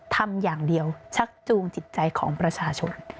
ทำอย่างเดียวชักจูงจิตใจของประชาชน